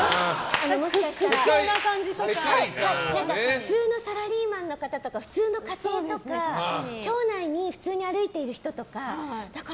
普通のサラリーマンの方とか普通の家庭とか町内に普通に歩いてる人とか。